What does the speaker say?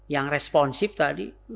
yang responsif tadi